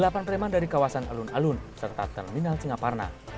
delapan preman dari kawasan alun alun serta terminal singaparna